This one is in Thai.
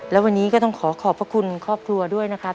และวันนี้ก็ต้องขอขอบพระคุณครอบครัวด้วยนะครับ